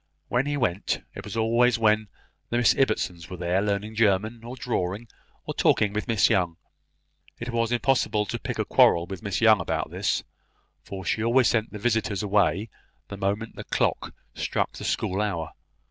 When he went, it was always when the Miss Ibbotsons were there, learning German, or drawing, or talking with Miss Young. It was impossible to pick a quarrel with Miss Young about this; for she always sent her visitors away the moment the clock struck the school hour.